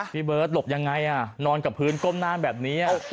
พี่เบิร์ตหลบยังไงนอนกับพื้นก้มหน้าแบบนี้